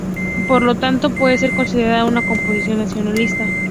Por lo tanto puede ser considerada una composición nacionalista.